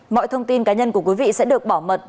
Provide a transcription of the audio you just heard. mọi thông tin cá nhân của quý vị sẽ được bảo mật